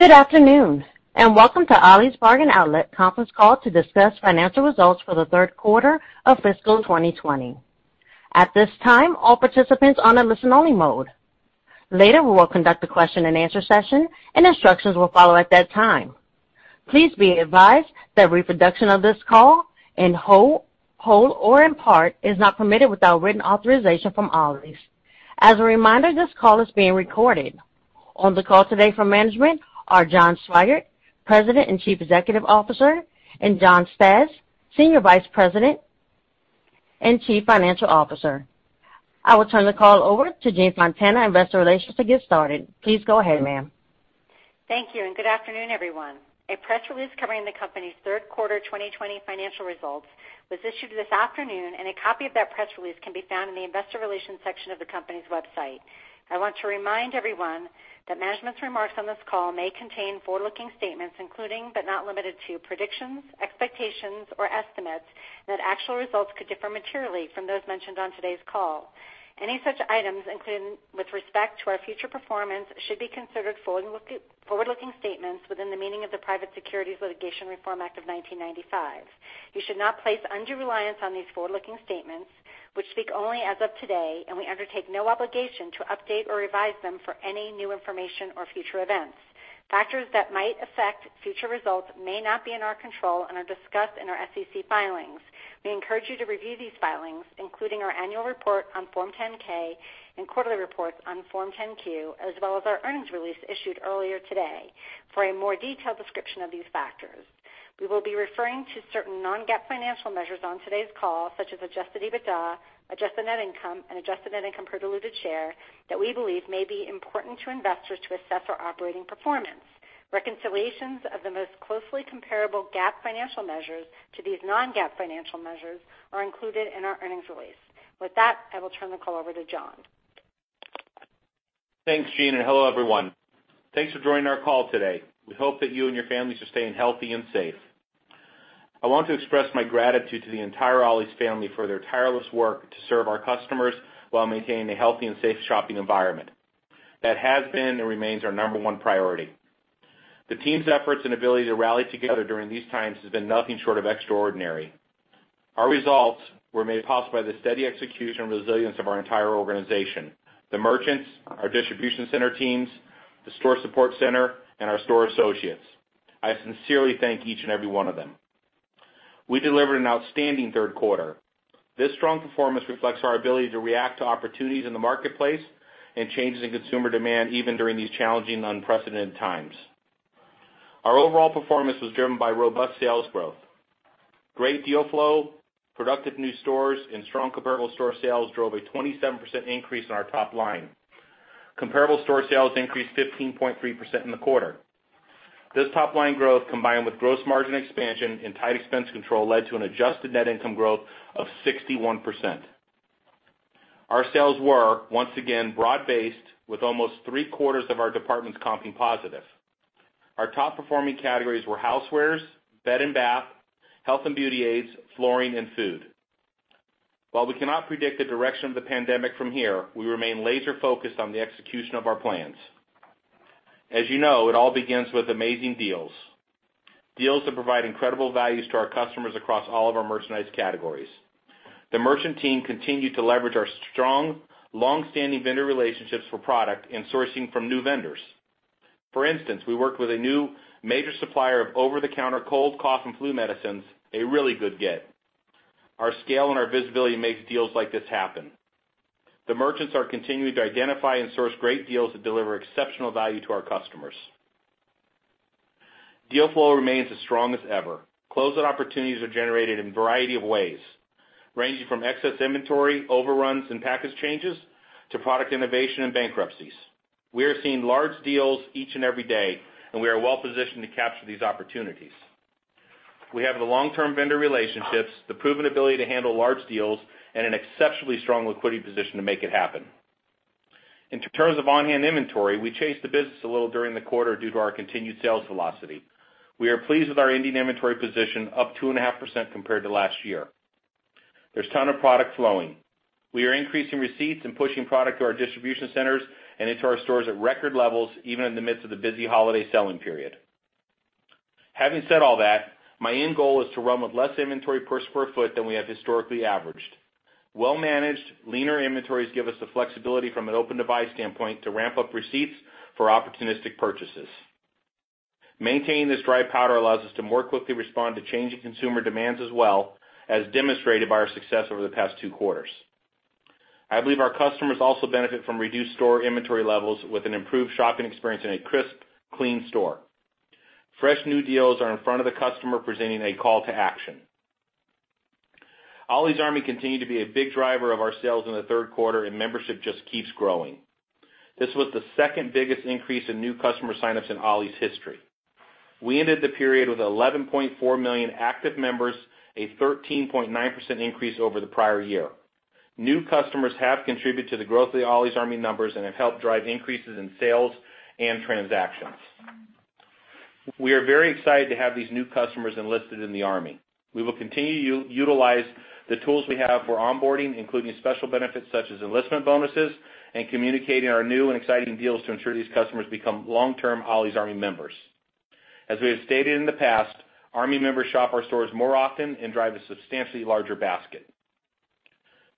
Good afternoon and Welcome to Ollie's Bargain Outlet Conference Call to discuss Financial Results for the Third Quarter of Fiscal 2020. At this time, all participants are on a listen-only mode. Later we will conduct a question-and-answer session and instructions will follow at that time. Please be advised that reproduction of this call in whole or in part is not permitted without written authorization from Ollie's. As a reminder, this call is being recorded. On the call today from management are John Swygert, President and Chief Executive Officer, and Jay Stasz, Senior Vice President and Chief Financial Officer. I will turn the call over to Jean Fontana, Investor Relations, to get started. Please go ahead, ma'am. Thank you and good afternoon, everyone. A press release covering the company's third quarter 2020 financial results was issued this afternoon and a copy of that press release can be found in the Investor Relations section of the company's website. I want to remind everyone that management's remarks on this call may contain forward-looking statements including but not limited to predictions, expectations, or estimates that actual results could differ materially from those mentioned on today's call. Any such items including with respect to our future performance should be considered forward-looking statements within the meaning of the Private Securities Litigation Reform Act of 1995. You should not place undue reliance on these forward-looking statements which speak only as of today and we undertake no obligation to update or revise them for any new information or future events. Factors that might affect future results may not be in our control and are discussed in our SEC filings. We encourage you to review these filings including our annual report on Form 10-K and quarterly reports on Form 10-Q as well as our earnings release issued earlier today for a more detailed description of these factors. We will be referring to certain non-GAAP financial measures on today's call such as Adjusted EBITDA, Adjusted Net Income, and adjusted net income per diluted share that we believe may be important to investors to assess our operating performance. Reconciliations of the most closely comparable GAAP financial measures to these non-GAAP financial measures are included in our earnings release. With that, I will turn the call over to John. Thanks, Jean, and hello everyone. Thanks for joining our call today. We hope that you and your families are staying healthy and safe. I want to express my gratitude to the entire Ollie's family for their tireless work to serve our customers while maintaining a healthy and safe shopping environment. That has been and remains our number one priority. The team's efforts and ability to rally together during these times has been nothing short of extraordinary. Our results were made possible by the steady execution and resilience of our entire organization, the merchants, our distribution center teams, the store support center, and our store associates. I sincerely thank each and every one of them. We delivered an outstanding third quarter. This strong performance reflects our ability to react to opportunities in the marketplace and changes in consumer demand even during these challenging and unprecedented times. Our overall performance was driven by robust sales growth. Great deal flow, productive new stores, and strong comparable store sales drove a 27% increase in our top line. Comparable store sales increased 15.3% in the quarter. This top line growth combined with gross margin expansion and tight expense control led to an adjusted net income growth of 61%. Our sales were once again broad-based with almost three-quarters of our departments comping positive. Our top performing categories were housewares, bed and bath, health and beauty aids, flooring, and food. While we cannot predict the direction of the pandemic from here, we remain laser-focused on the execution of our plans. As you know, it all begins with amazing deals. Deals that provide incredible values to our customers across all of our merchandise categories. The merchant team continued to leverage our strong, long-standing vendor relationships for product and sourcing from new vendors. For instance, we worked with a new major supplier of over-the-counter cold, cough, and flu medicines. A really good get. Our scale and our visibility makes deals like this happen. The merchants are continuing to identify and source great deals that deliver exceptional value to our customers. Deal flow remains as strong as ever. Closeout opportunities are generated in a variety of ways ranging from excess inventory, overruns, and package changes to product innovation and bankruptcies. We are seeing large deals each and every day and we are well positioned to capture these opportunities. We have the long-term vendor relationships, the proven ability to handle large deals, and an exceptionally strong liquidity position to make it happen. In terms of on-hand inventory, we chased the business a little during the quarter due to our continued sales velocity. We are pleased with our ending inventory position up 2.5% compared to last year. There's a ton of product flowing. We are increasing receipts and pushing product to our distribution centers and into our stores at record levels even in the midst of the busy holiday selling period. Having said all that, my end goal is to run with less inventory per sq ft than we have historically averaged. Well-managed, leaner inventories give us the flexibility from an open-to-buy standpoint to ramp up receipts for opportunistic purchases. Maintaining this dry powder allows us to more quickly respond to changing consumer demands as well as demonstrated by our success over the past two quarters. I believe our customers also benefit from reduced store inventory levels with an improved shopping experience in a crisp, clean store. Fresh new deals are in front of the customer presenting a call to action. Ollie's Army continue to be a big driver of our sales in the third quarter and membership just keeps growing. This was the second biggest increase in new customer sign-ups in Ollie's history. We ended the period with 11.4 million active members, a 13.9% increase over the prior year. New customers have contributed to the growth of the Ollie's Army numbers and have helped drive increases in sales and transactions. We are very excited to have these new customers enlisted in the Army. We will continue to utilize the tools we have for onboarding including special benefits such as enlistment bonuses and communicating our new and exciting deals to ensure these customers become long-term Ollie's Army members. As we have stated in the past, Army members shop our stores more often and drive a substantially larger basket.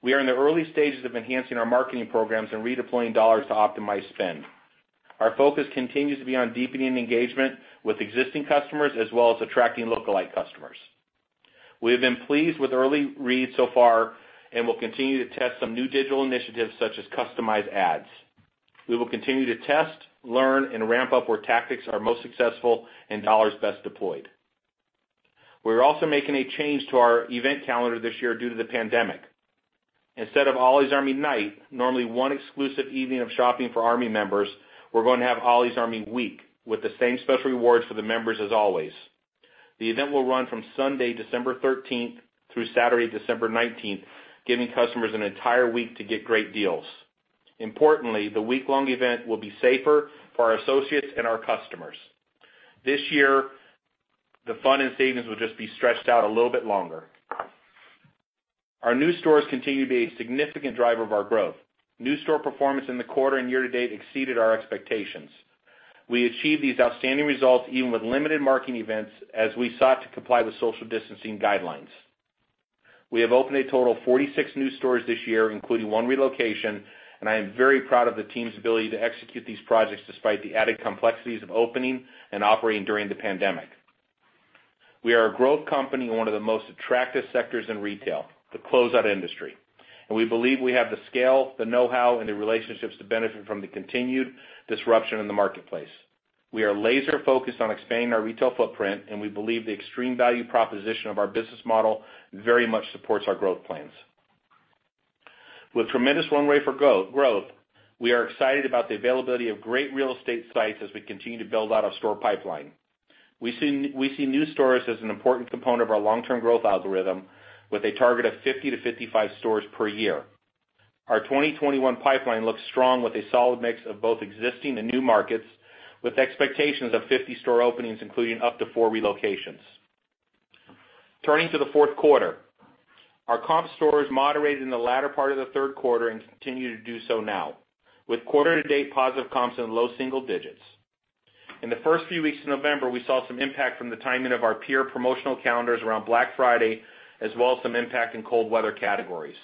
We are in the early stages of enhancing our marketing programs and redeploying dollars to optimize spend. Our focus continues to be on deepening engagement with existing customers as well as attracting lookalike customers. We have been pleased with early reads so far and will continue to test some new digital initiatives such as customized ads. We will continue to test, learn, and ramp up where tactics are most successful and dollars best deployed. We are also making a change to our event calendar this year due to the pandemic. Instead of Ollie's Army Night, normally one exclusive evening of shopping for Army members, we're going to have Ollie's Army Week with the same special rewards for the members as always. The event will run from Sunday, December 13th, through Saturday, December 19th, giving customers an entire week to get great deals. Importantly, the week-long event will be safer for our associates and our customers. This year, the fun and savings will just be stretched out a little bit longer. Our new stores continue to be a significant driver of our growth. New store performance in the quarter and year-to-date exceeded our expectations. We achieved these outstanding results even with limited marketing events as we sought to comply with social distancing guidelines. We have opened a total of 46 new stores this year including one relocation and I am very proud of the team's ability to execute these projects despite the added complexities of opening and operating during the pandemic. We are a growth company in one of the most attractive sectors in retail, the closeout industry, and we believe we have the scale, the know-how, and the relationships to benefit from the continued disruption in the marketplace. We are laser-focused on expanding our retail footprint and we believe the extreme value proposition of our business model very much supports our growth plans. With tremendous runway for growth, we are excited about the availability of great real estate sites as we continue to build out our store pipeline. We see new stores as an important component of our long-term growth algorithm with a target of 50-55 stores per year. Our 2021 pipeline looks strong with a solid mix of both existing and new markets with expectations of 50 store openings including up to four relocations. Turning to the fourth quarter, our comp stores moderated in the latter part of the third quarter and continue to do so now with quarter-to-date positive comps and low single digits. In the first few weeks of November, we saw some impact from the timing of our peer promotional calendars around Black Friday as well as some impact in cold weather categories.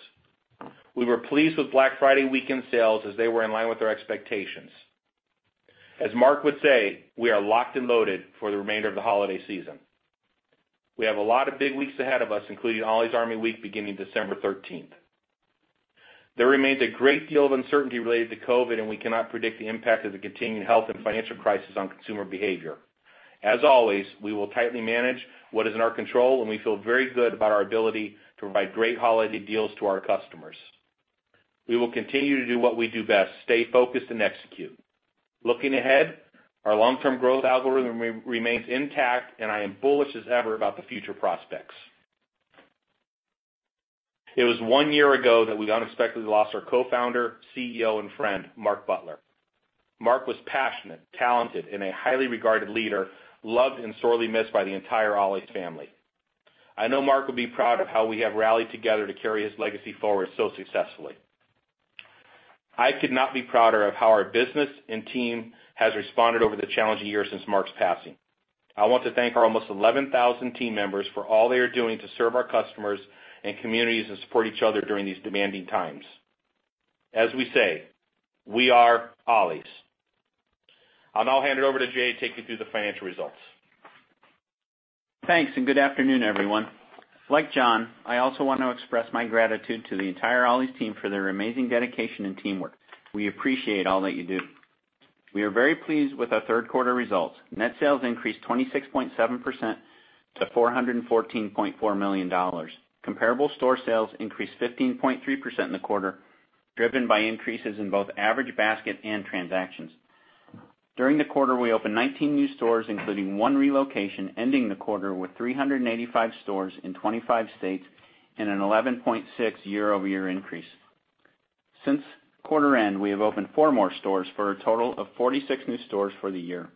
We were pleased with Black Friday weekend sales as they were in line with our expectations. As Mark would say, we are locked and loaded for the remainder of the holiday season. We have a lot of big weeks ahead of us including Ollie's Army Week beginning December 13th. There remains a great deal of uncertainty related to COVID and we cannot predict the impact of the continued health and financial crisis on consumer behavior. As always, we will tightly manage what is in our control and we feel very good about our ability to provide great holiday deals to our customers. We will continue to do what we do best, stay focused, and execute. Looking ahead, our long-term growth algorithm remains intact and I am bullish as ever about the future prospects. It was one year ago that we unexpectedly lost our co-founder, CEO, and friend, Mark Butler. Mark was passionate, talented, and a highly regarded leader loved and sorely missed by the entire Ollie's Family. I know Mark will be proud of how we have rallied together to carry his legacy forward so successfully. I could not be prouder of how our business and team has responded over the challenging years since Mark's passing. I want to thank our almost 11,000 team members for all they are doing to serve our customers and communities and support each other during these demanding times. As we say, we are Ollie's. I'll now hand it over to Jay to take you through the financial results. Thanks and good afternoon, everyone. Like John, I also want to express my gratitude to the entire Ollie's team for their amazing dedication and teamwork. We appreciate all that you do. We are very pleased with our third quarter results. Net sales increased 26.7% to $414.4 million. Comparable store sales increased 15.3% in the quarter driven by increases in both average basket and transactions. During the quarter, we opened 19 new stores including one relocation ending the quarter with 385 stores in 25 states and an 11.6 year-over-year increase. Since quarter end, we have opened four more stores for a total of 46 new stores for the year.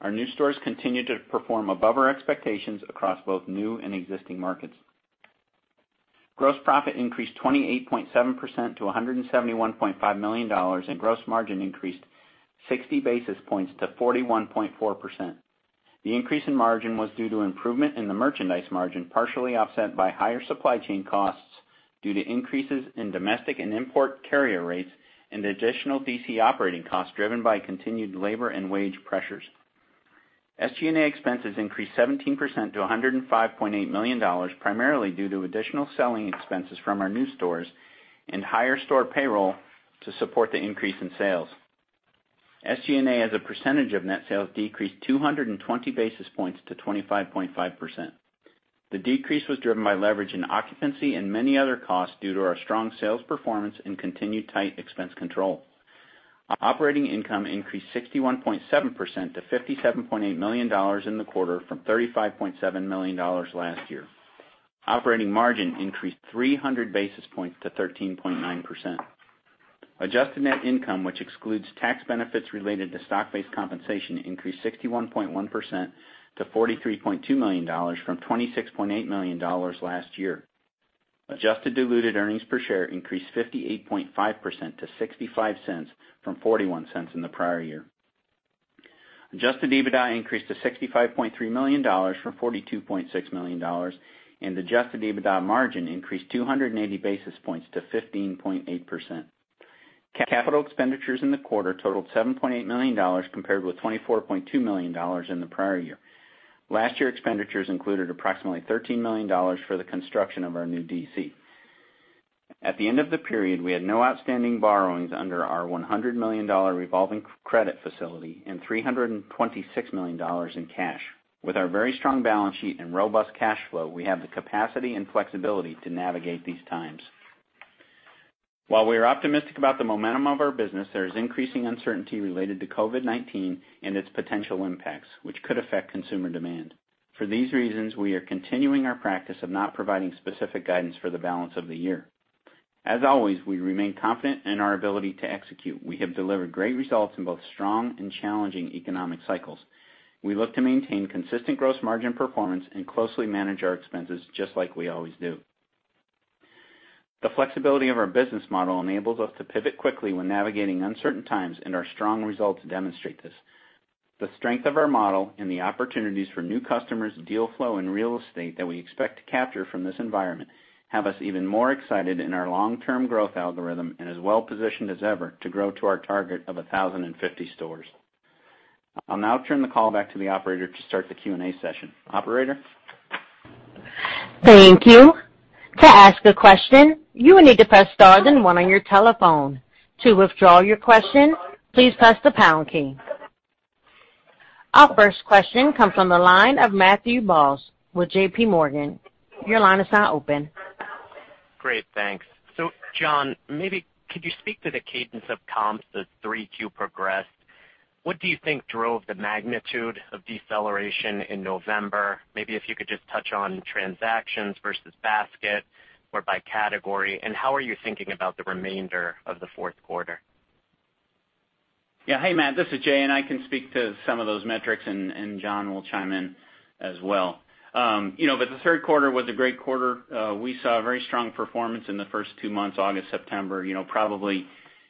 Our new stores continue to perform above our expectations across both new and existing markets. Gross profit increased 28.7% to $171.5 million and gross margin increased 60 basis points to 41.4%. The increase in margin was due to improvement in the merchandise margin partially offset by higher supply chain costs due to increases in domestic and import carrier rates and additional DC operating costs driven by continued labor and wage pressures. SG&A expenses increased 17% to $105.8 million primarily due to additional selling expenses from our new stores and higher store payroll to support the increase in sales. SG&A as a percentage of net sales decreased 220 basis points to 25.5%. The decrease was driven by leverage in occupancy and many other costs due to our strong sales performance and continued tight expense control. Operating income increased 61.7% to $57.8 million in the quarter from $35.7 million last year. Operating margin increased 300 basis points to 13.9%. Adjusted net income which excludes tax benefits related to stock-based compensation increased 61.1% to $43.2 million from $26.8 million last year. Adjusted diluted earnings per share increased 58.5% to $0.65 from $0.41 in the prior year. Adjusted EBITDA increased to $65.3 million from $42.6 million and adjusted EBITDA margin increased 280 basis points to 15.8%. Capital expenditures in the quarter totaled $7.8 million compared with $24.2 million in the prior year. Last year expenditures included approximately $13 million for the construction of our new DC. At the end of the period, we had no outstanding borrowings under our $100 million revolving credit facility and $326 million in cash. With our very strong balance sheet and robust cash flow, we have the capacity and flexibility to navigate these times. While we are optimistic about the momentum of our business, there is increasing uncertainty related to COVID-19 and its potential impacts which could affect consumer demand. For these reasons, we are continuing our practice of not providing specific guidance for the balance of the year. As always, we remain confident in our ability to execute. We have delivered great results in both strong and challenging economic cycles. We look to maintain consistent gross margin performance and closely manage our expenses just like we always do. The flexibility of our business model enables us to pivot quickly when navigating uncertain times and our strong results demonstrate this. The strength of our model and the opportunities for new customers, deal flow, and real estate that we expect to capture from this environment have us even more excited in our long-term growth algorithm and as well positioned as ever to grow to our target of 1,050 stores. I'll now turn the call back to the operator to start the Q&A session. Operator? Thank you. To ask a question, you will need to press star then one on your telephone. To withdraw your question, please press the pound key. Our first question comes from the line of Matthew Boss with J.P. Morgan. Your line is now open. Great. Thanks. So John, maybe could you speak to the cadence of comps as 3Q progressed? What do you think drove the magnitude of deceleration in November? Maybe if you could just touch on transactions versus basket or by category? And how are you thinking about the remainder of the fourth quarter? Yeah. Hey Matt. This is Jay and I can speak to some of those metrics and John will chime in as well. But the third quarter was a great quarter. We saw a very strong performance in the first two months, August, September, probably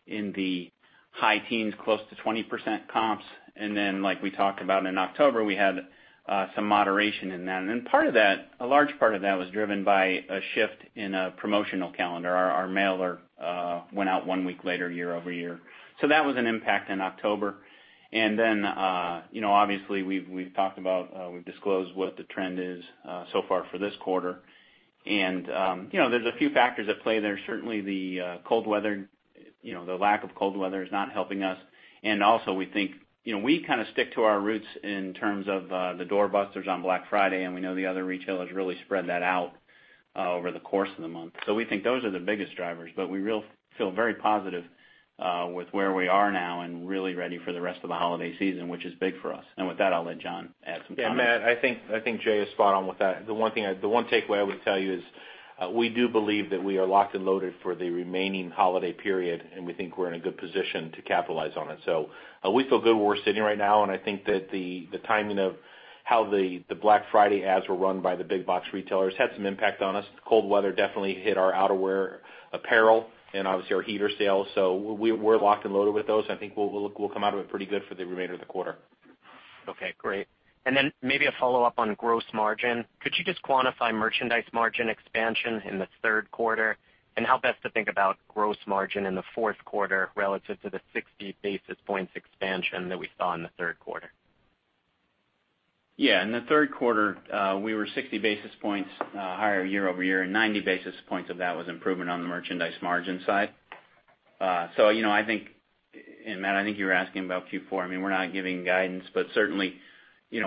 in the high teens, close to 20% comps. And then like we talked about in October, we had some moderation in that. And then part of that, a large part of that was driven by a shift in a promotional calendar. Our mailer went out one week later, year-over-year. So that was an impact in October. And then obviously, we've talked about, we've disclosed what the trend is so far for this quarter. And there's a few factors that play there. Certainly, the cold weather, the lack of cold weather is not helping us. And also, we think we kind of stick to our roots in terms of the doorbusters on Black Friday and we know the other retailers really spread that out over the course of the month. So we think those are the biggest drivers. But we feel very positive with where we are now and really ready for the rest of the holiday season which is big for us. And with that, I'll let John add some comments. Yeah. Matt, I think Jay is spot on with that. The one takeaway I would tell you is we do believe that we are locked and loaded for the remaining holiday period and we think we're in a good position to capitalize on it. So we feel good where we're sitting right now and I think that the timing of how the Black Friday ads were run by the big box retailers had some impact on us. Cold weather definitely hit our outerwear apparel and obviously our heater sales. So we're locked and loaded with those. I think we'll come out of it pretty good for the remainder of the quarter. Okay. Great. And then maybe a follow-up on gross margin. Could you just quantify merchandise margin expansion in the third quarter and how best to think about gross margin in the fourth quarter relative to the 60 basis points expansion that we saw in the third quarter? Yeah. In the third quarter, we were 60 basis points higher year-over-year and 90 basis points of that was improvement on the merchandise margin side. So I think, and Matt, I think you were asking about Q4. I mean, we're not giving guidance but certainly,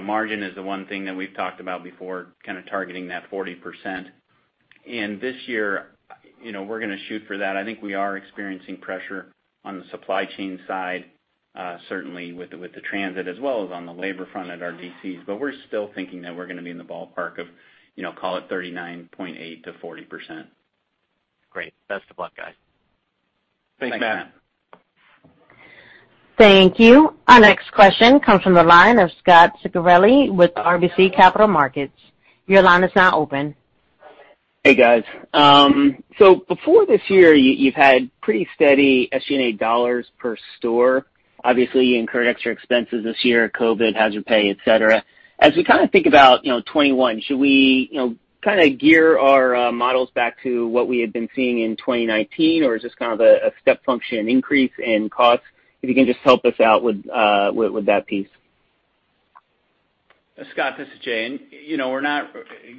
margin is the one thing that we've talked about before, kind of targeting that 40%. And this year, we're going to shoot for that. I think we are experiencing pressure on the supply chain side certainly with the transit as well as on the labor front at our DCs. But we're still thinking that we're going to be in the ballpark of, call it, 39.8%-40%. Great. Best of luck, guys. Thanks, Matt. Thank you. Our next question comes from the line of Scot Ciccarelli with RBC Capital Markets. Your line is now open. Hey guys. So before this year, you've had pretty steady SG&A dollars per store. Obviously, you incurred extra expenses this year, COVID, hazard pay, etc. As we kind of think about 2021, should we kind of gear our models back to what we had been seeing in 2019 or is this kind of a step function increase in costs? If you can just help us out with that piece. Scot, this is Jay.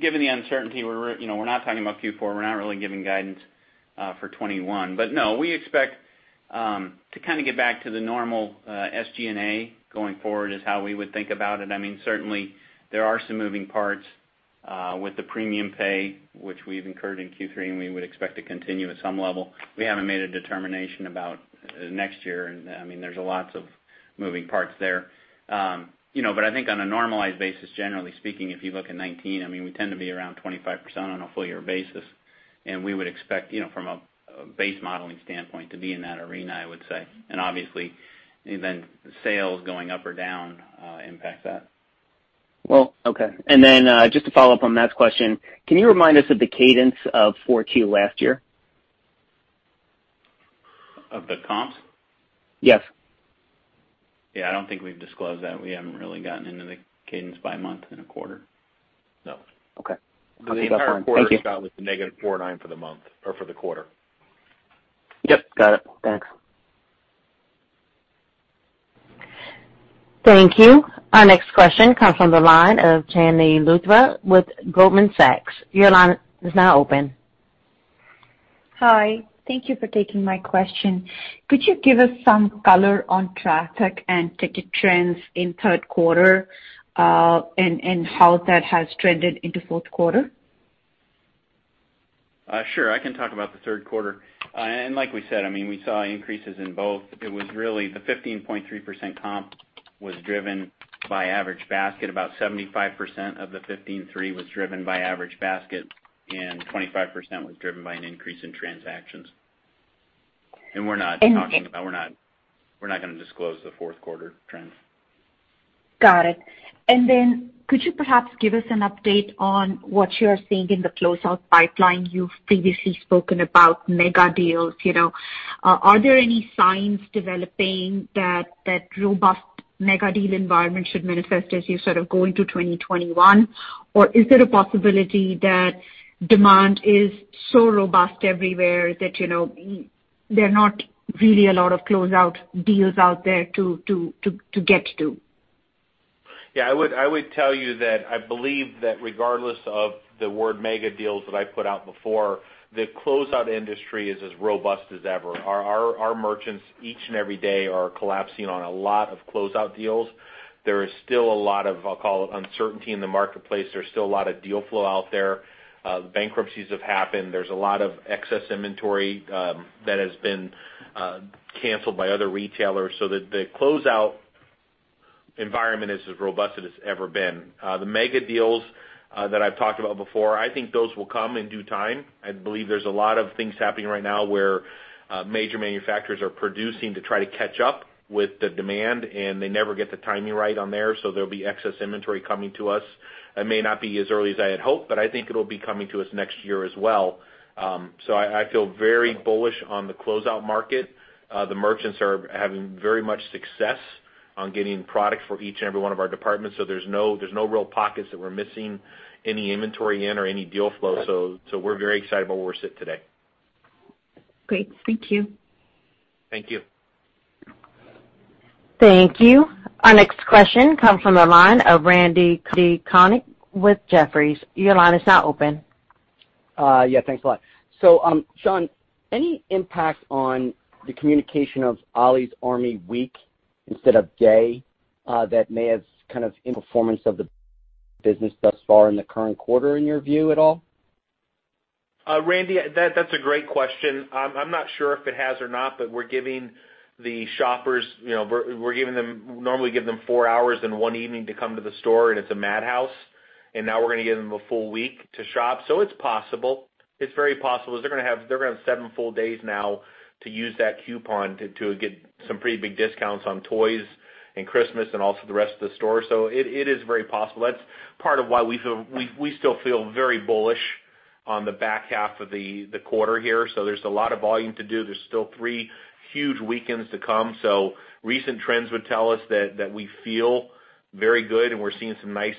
Given the uncertainty, we're not talking about Q4. We're not really giving guidance for 2021. But no, we expect to kind of get back to the normal SG&A going forward is how we would think about it. I mean, certainly, there are some moving parts with the premium pay which we've incurred in Q3 and we would expect to continue at some level. We haven't made a determination about next year and I mean, there's a lot of moving parts there. But I think on a normalized basis, generally speaking, if you look at 2019, I mean, we tend to be around 25% on a full-year basis. And we would expect from a base modeling standpoint to be in that arena, I would say. And obviously, then sales going up or down impacts that. Well, okay. And then just to follow up on Matt's question, can you remind us of the cadence of 4Q last year? Of the comps? Yes. Yeah. I don't think we've disclosed that. We haven't really gotten into the cadence by a month and a quarter, so. Okay. I think that's fine. I think our quarter started with a -4.9 for the month or for the quarter. Yep. Got it. Thanks. Thank you. Our next question comes from the line of Chandni Luthra with Goldman Sachs. Your line is now open. Hi. Thank you for taking my question. Could you give us some color on traffic and ticket trends in third quarter and how that has trended into fourth quarter? Sure. I can talk about the third quarter. And like we said, I mean, we saw increases in both. It was really the 15.3% comp was driven by average basket. About 75% of the 15.3 was driven by average basket and 25% was driven by an increase in transactions. And we're not going to disclose the fourth quarter trends. Got it. And then could you perhaps give us an update on what you are seeing in the closeout pipeline? You've previously spoken about mega deals. Are there any signs developing that robust mega deal environment should manifest as you sort of go into 2021? Or is there a possibility that demand is so robust everywhere that there are not really a lot of closeout deals out there to get to? Yeah. I would tell you that I believe that regardless of the word mega deals that I put out before, the closeout industry is as robust as ever. Our merchants each and every day are closing on a lot of closeout deals. There is still a lot of, I'll call it, uncertainty in the marketplace. There's still a lot of deal flow out there. The bankruptcies have happened. There's a lot of excess inventory that has been canceled by other retailers. So the closeout environment is as robust as it's ever been. The mega deals that I've talked about before, I think those will come in due time. I believe there's a lot of things happening right now where major manufacturers are producing to try to catch up with the demand and they never get the timing right on there. So there'll be excess inventory coming to us. It may not be as early as I had hoped, but I think it'll be coming to us next year as well. So I feel very bullish on the closeout market. The merchants are having very much success on getting products for each and every one of our departments. So there's no real pockets that we're missing any inventory in or any deal flow. So we're very excited about where we're sitting today. Great. Thank you. Thank you. Thank you. Our next question comes from the line of Randal Konik with Jefferies. Your line is now open. Yeah. Thanks a lot. So, John, any impact on the communication of Ollie's Army Week instead of day that may have kind of performance of the business thus far in the current quarter, in your view, at all? Randy, that's a great question. I'm not sure if it has or not, but we're giving the shoppers we're giving them normally, we give them four hours and one evening to come to the store and it's a madhouse. And now we're going to give them a full week to shop. So it's possible. It's very possible. They're going to have they're going to have seven full days now to use that coupon to get some pretty big discounts on toys and Christmas and also the rest of the store. So it is very possible. That's part of why we still feel very bullish on the back half of the quarter here. So there's a lot of volume to do. There's still three huge weekends to come. So recent trends would tell us that we feel very good and we're seeing some nice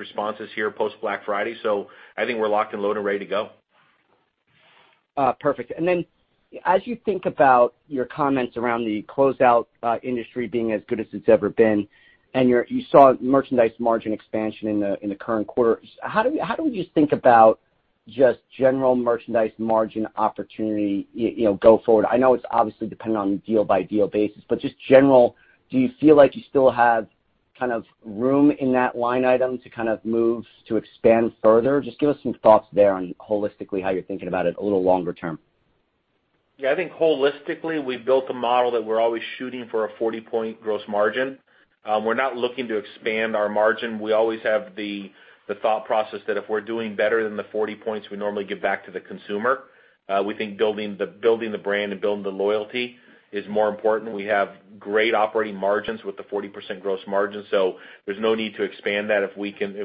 responses here post-Black Friday. I think we're locked and loaded and ready to go. Perfect. And then as you think about your comments around the closeout industry being as good as it's ever been and you saw merchandise margin expansion in the current quarter, how do you think about just general merchandise margin opportunity go forward? I know it's obviously dependent on the deal-by-deal basis, but just general, do you feel like you still have kind of room in that line item to kind of move, to expand further? Just give us some thoughts there on holistically how you're thinking about it a little longer term. Yeah. I think holistically, we built a model that we're always shooting for a 40-point gross margin. We're not looking to expand our margin. We always have the thought process that if we're doing better than the 40 points, we normally give back to the consumer. We think building the brand and building the loyalty is more important. We have great operating margins with the 40% gross margin. So there's no need to expand that. If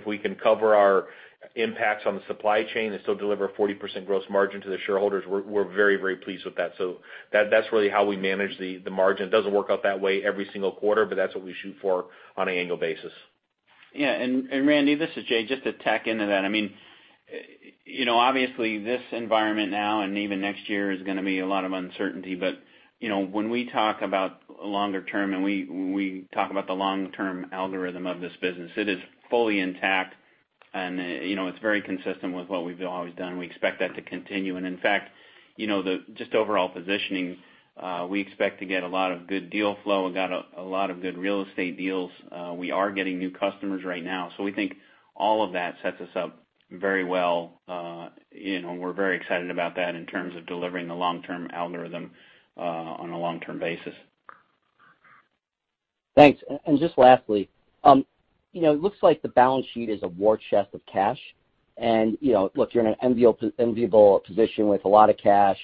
we can cover our impacts on the supply chain and still deliver a 40% gross margin to the shareholders, we're very, very pleased with that. So that's really how we manage the margin. It doesn't work out that way every single quarter but that's what we shoot for on an annual basis. Yeah. And Randy, this is Jay. Just to tap into that, I mean, obviously, this environment now and even next year is going to be a lot of uncertainty. But when we talk about longer term and we talk about the long-term algorithm of this business, it is fully intact and it's very consistent with what we've always done. We expect that to continue. And in fact, just overall positioning, we expect to get a lot of good deal flow. We got a lot of good real estate deals. We are getting new customers right now. So we think all of that sets us up very well. And we're very excited about that in terms of delivering the long-term algorithm on a long-term basis. Thanks. And just lastly, it looks like the balance sheet is a war chest of cash. And look, you're in an enviable position with a lot of cash.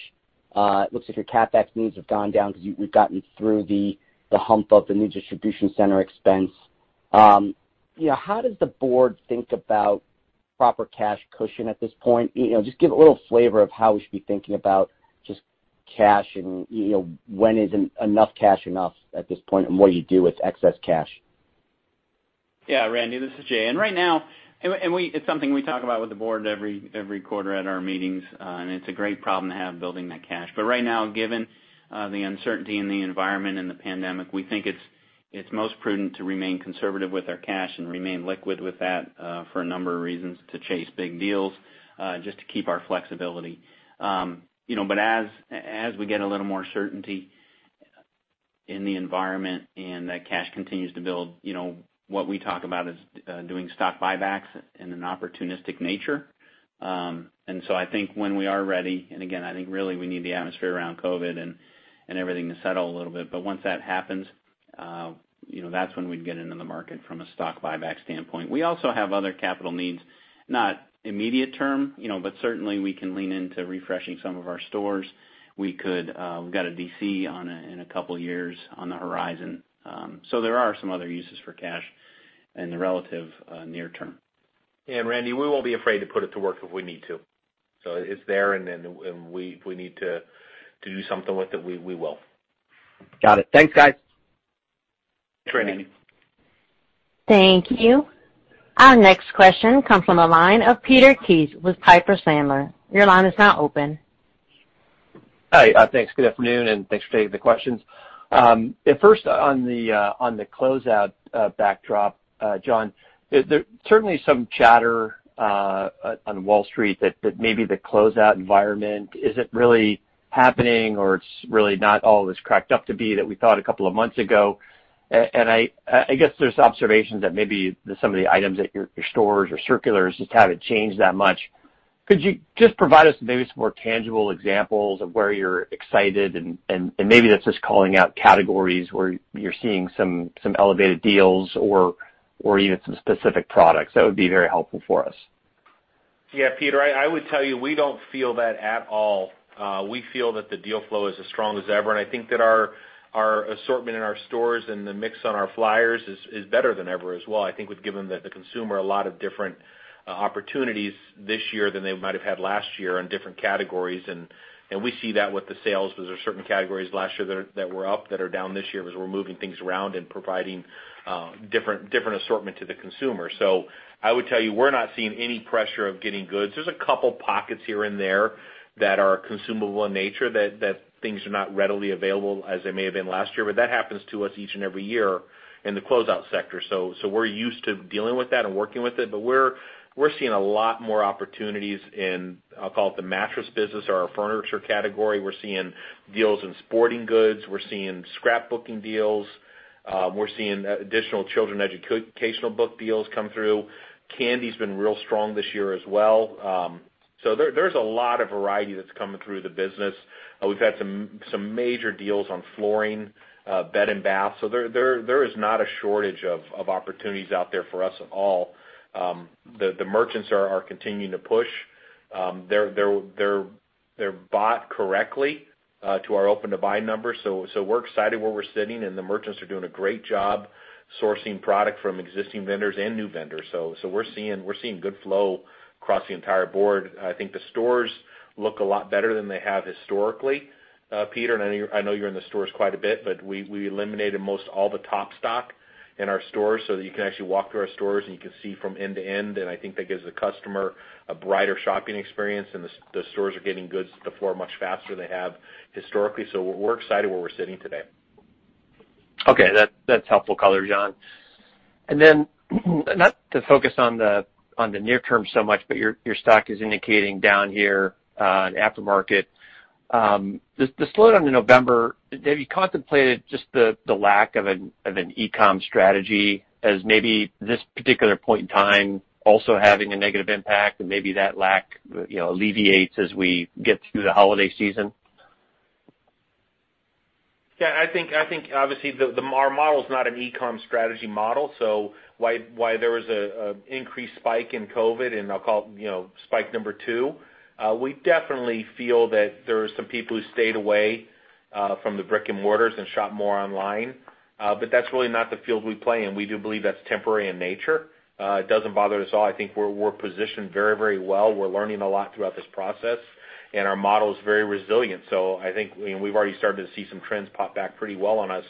It looks like your CapEx needs have gone down because we've gotten through the hump of the new distribution center expense. How does the board think about proper cash cushion at this point? Just give a little flavor of how we should be thinking about just cash and when is enough cash enough at this point and what do you do with excess cash? Yeah. Randy, this is Jay. And right now, and it's something we talk about with the Board every quarter at our meetings and it's a great problem to have building that cash. But right now, given the uncertainty in the environment and the pandemic, we think it's most prudent to remain conservative with our cash and remain liquid with that for a number of reasons to chase big deals just to keep our flexibility. But as we get a little more certainty in the environment and that cash continues to build, what we talk about is doing stock buybacks in an opportunistic nature. And so I think when we are ready, and again, I think really we need the atmosphere around COVID and everything to settle a little bit. But once that happens, that's when we'd get into the market from a stock buyback standpoint. We also have other capital needs, not immediate term, but certainly, we can lean into refreshing some of our stores. We've got a DC in a couple of years on the horizon. So there are some other uses for cash in the relative near term. Yeah. And Randy, we won't be afraid to put it to work if we need to. So it's there and if we need to do something with it, we will. Got it. Thanks, guys. Thanks, Randy. Thank you. Our next question comes from the line of Peter Keith with Piper Sandler. Your line is now open. Hi. Thanks. Good afternoon and thanks for taking the questions. First, on the closeout backdrop, John, there's certainly some chatter on Wall Street that maybe the closeout environment is it really happening or it's really not all as cracked up to be that we thought a couple of months ago? I guess there's observations that maybe some of the items at your stores or circulars just haven't changed that much. Could you just provide us maybe some more tangible examples of where you're excited and maybe that's just calling out categories where you're seeing some elevated deals or even some specific products? That would be very helpful for us. Yeah. Peter, I would tell you we don't feel that at all. We feel that the deal flow is as strong as ever. And I think that our assortment in our stores and the mix on our flyers is better than ever as well. I think we've given the consumer a lot of different opportunities this year than they might have had last year in different categories. And we see that with the sales because there were certain categories last year that were up that are down this year because we're moving things around and providing different assortment to the consumer. So I would tell you we're not seeing any pressure of getting goods. There's a couple of pockets here and there that are consumable in nature that things are not readily available as they may have been last year. But that happens to us each and every year in the closeout sector. So we're used to dealing with that and working with it. But we're seeing a lot more opportunities in, I'll call it, the mattress business or our furniture category. We're seeing deals in sporting goods. We're seeing scrapbooking deals. We're seeing additional children educational book deals come through. Candy's been real strong this year as well. So there's a lot of variety that's coming through the business. We've had some major deals on flooring, bed, and bath. So there is not a shortage of opportunities out there for us at all. The merchants are continuing to push. They're bought correctly to our open-to-buy number. So we're excited where we're sitting and the merchants are doing a great job sourcing product from existing vendors and new vendors. So we're seeing good flow across the entire board. I think the stores look a lot better than they have historically, Peter. And I know you're in the stores quite a bit but we eliminated almost all the top stock in our stores so that you can actually walk through our stores and you can see from end to end. And I think that gives the customer a brighter shopping experience and the stores are getting goods to the floor much faster than they have historically. So we're excited where we're sitting today. Okay. That's helpful color, John. And then not to focus on the near term so much but your stock is indicating down here in aftermarket, the slowdown in November, have you contemplated just the lack of an e-com strategy as maybe this particular point in time also having a negative impact and maybe that lack alleviates as we get through the holiday season? Yeah. I think obviously, our model's not an e-com strategy model. So why there was an increased spike in COVID and I'll call it spike number two, we definitely feel that there are some people who stayed away from the brick and mortars and shopped more online. But that's really not the field we play in. We do believe that's temporary in nature. It doesn't bother us at all. I think we're positioned very, very well. We're learning a lot throughout this process and our model's very resilient. So I think we've already started to see some trends pop back pretty well on us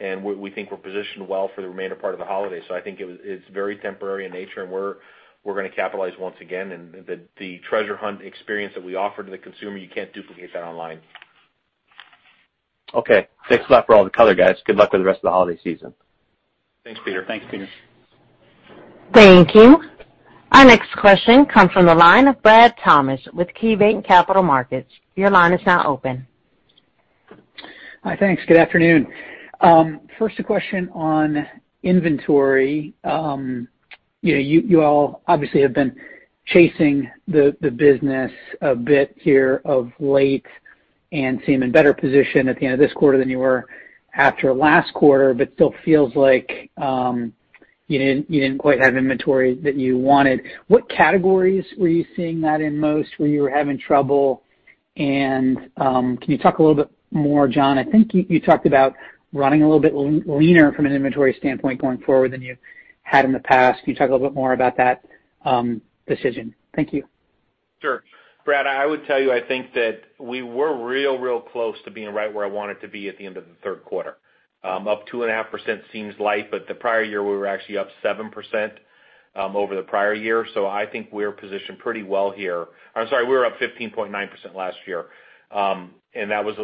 and we think we're positioned well for the remainder part of the holiday. So I think it's very temporary in nature and we're going to capitalize once again. And the treasure hunt experience that we offer to the consumer, you can't duplicate that online. Okay. Thanks a lot for all the color, guys. Good luck with the rest of the holiday season. Thanks, Peter. Thanks, Peter. Thank you. Our next question comes from the line of Brad Thomas with KeyBanc Capital Markets. Your line is now open. Hi. Thanks. Good afternoon. First, a question on inventory. You all obviously have been chasing the business a bit here of late and seem in better position at the end of this quarter than you were after last quarter, but still feels like you didn't quite have inventory that you wanted. What categories were you seeing that in most where you were having trouble? And can you talk a little bit more, John? I think you talked about running a little bit leaner from an inventory standpoint going forward than you had in the past. Can you talk a little bit more about that decision? Thank you. Sure. Brad, I would tell you I think that we were real, real close to being right where I wanted to be at the end of the third quarter. Up 2.5% seems light but the prior year, we were actually up 7% over the prior year. So I think we're positioned pretty well here. I'm sorry, we were up 15.9% last year. And that was,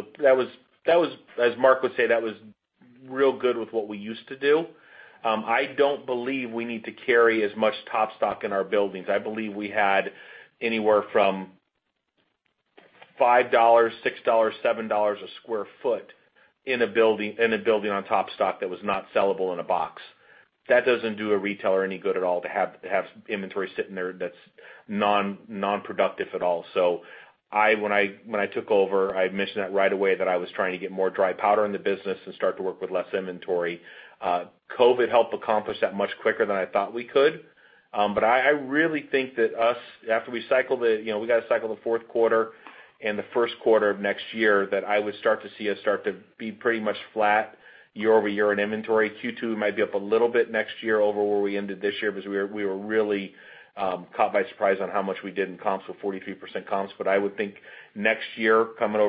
as Mark would say, that was real good with what we used to do. I don't believe we need to carry as much top stock in our buildings. I believe we had anywhere from $5-$7 a sq ft in a building on top stock that was not sellable in a box. That doesn't do a retailer any good at all to have inventory sitting there that's nonproductive at all. So when I took over, I mentioned that right away that I was trying to get more dry powder in the business and start to work with less inventory. COVID helped accomplish that much quicker than I thought we could. But I really think that us, after we cycled, we got to cycle the fourth quarter and the first quarter of next year that I would start to see us start to be pretty much flat year-over-year in inventory. Q2 might be up a little bit next year over where we ended this year because we were really caught by surprise on how much we did in comps with 43% comps. But I would think next year, coming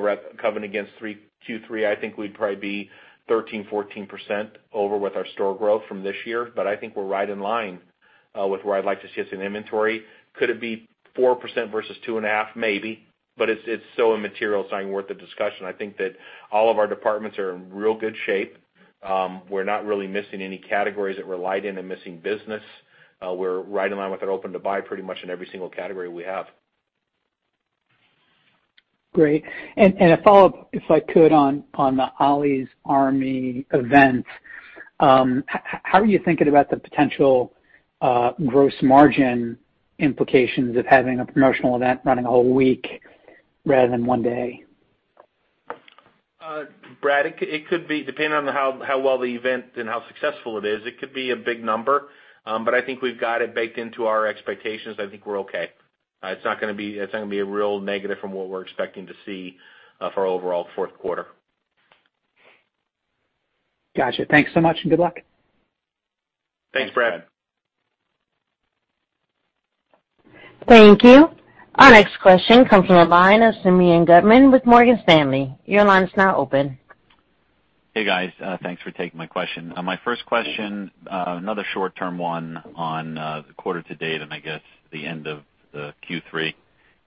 against Q3, I think we'd probably be 13%-14% over with our store growth from this year. But I think we're right in line with where I'd like to see us in inventory. Could it be 4% versus 2.5%? Maybe. But it's so immaterial, it's not even worth the discussion. I think that all of our departments are in real good shape. We're not really missing any categories that we're light in and missing business. We're right in line with our open-to-buy pretty much in every single category we have. Great. And a follow-up, if I could, on the Ollie's Army event, how are you thinking about the potential gross margin implications of having a promotional event running a whole week rather than one day? Brad, it could be, depending on how well the event and how successful it is, it could be a big number. But I think we've got it baked into our expectations. I think we're okay. It's not going to be a real negative from what we're expecting to see for our overall fourth quarter. Gotcha. Thanks so much and good luck. Thanks, Brad. Thank you. Our next question comes from the line of Simeon Gutman with Morgan Stanley. Your line is now open. Hey, guys. Thanks for taking my question. My first question, another short-term one on the quarter to date and I guess the end of Q3,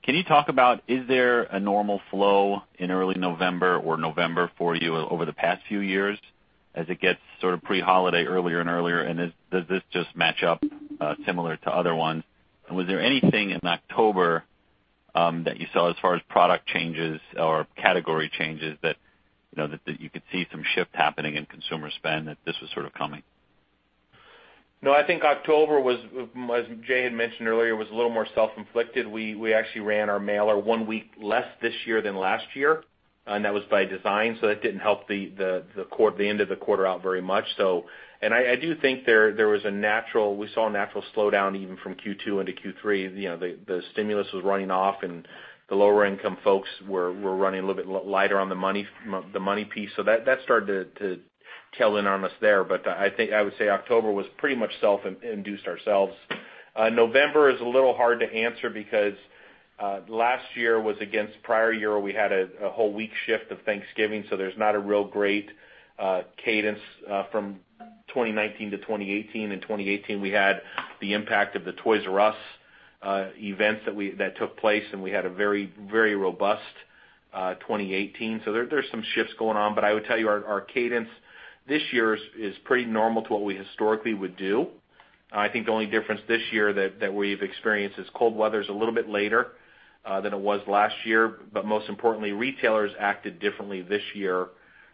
can you talk about is there a normal flow in early November or November for you over the past few years as it gets sort of pre-holiday earlier and earlier? And does this just match up similar to other ones? And was there anything in October that you saw as far as product changes or category changes that you could see some shift happening in consumer spend that this was sort of coming? No. I think October was, as Jay had mentioned earlier, was a little more self-inflicted. We actually ran our mailer one week less this year than last year. That was by design. That didn't help the end of the quarter out very much. I do think there was a natural we saw a natural slowdown even from Q2 into Q3. The stimulus was running off and the lower-income folks were running a little bit lighter on the money piece. That started to tell in on us there. But I would say October was pretty much self-induced ourselves. November is a little hard to answer because last year was against prior year where we had a whole week shift of Thanksgiving. There's not a real great cadence from 2019 to 2018. In 2018, we had the impact of the Toys "R" Us events that took place and we had a very, very robust 2018. So there's some shifts going on. But I would tell you our cadence this year is pretty normal to what we historically would do. I think the only difference this year that we've experienced is cold weather's a little bit later than it was last year. But most importantly, retailers acted differently this year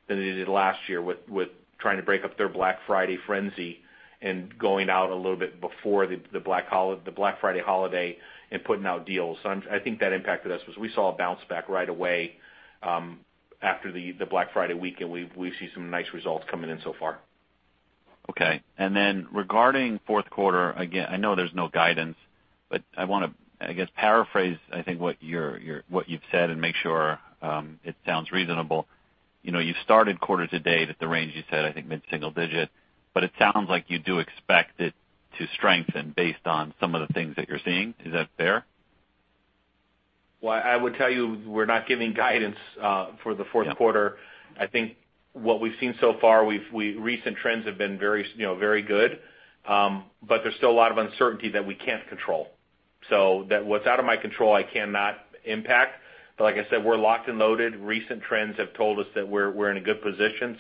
than they did last year with trying to break up their Black Friday frenzy and going out a little bit before the Black Friday holiday and putting out deals. So I think that impacted us because we saw a bounce back right away after the Black Friday weekend. We've seen some nice results coming in so far. Okay. And then regarding fourth quarter, again, I know there's no guidance but I want to, I guess, paraphrase, I think, what you've said and make sure it sounds reasonable. You started quarter to date at the range, you said, I think, mid-single digit. But it sounds like you do expect it to strengthen based on some of the things that you're seeing. Is that fair? Well, I would tell you we're not giving guidance for the fourth quarter. I think what we've seen so far, recent trends have been very good. There's still a lot of uncertainty that we can't control. What's out of my control, I cannot impact. Like I said, we're locked and loaded. Recent trends have told us that we're in a good position.